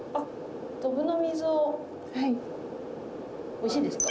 おいしいですか？